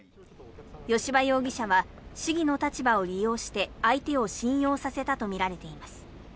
吉羽容疑者は市議の立場を利用して相手を信用させたとみられています。